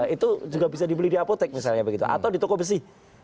itu juga bisa dibeli di apotek misalnya begitu atau di toko besi